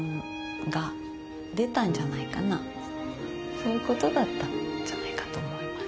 そういうことだったんじゃないかと思います。